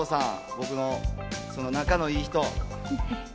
僕の仲のいい人。